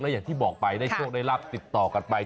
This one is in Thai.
อย่างที่บอกไปได้โชคได้รับติดต่อกันไป